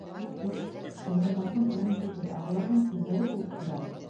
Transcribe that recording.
Юҡ, юҡ, ҡоҙғондарҙың үҙен түгел, ә уларҙың күҙҙәре булып күрәм.